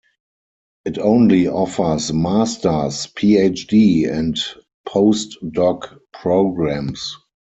It only offers Master's, PhD, and Postdoc programs.